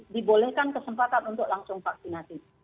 dibolehkan kesempatan untuk langsung vaksinasi